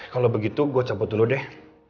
kalau begitu gue cabut dulu deh